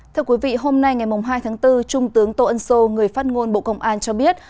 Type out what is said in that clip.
thưa quý vị hôm nay ngày hai tháng bốn trung tướng tô ân sô người phát ngôn bộ công an cho biết